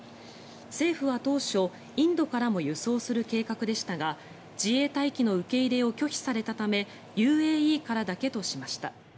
政府は当初、インドからも輸送する計画でしたが自衛隊機の受け入れを拒否されたためＵＡＥからだけとしました。